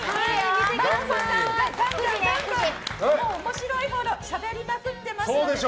面白いほどしゃべりまくっていますので。